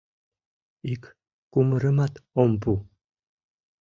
Ик кумырымат ом пу.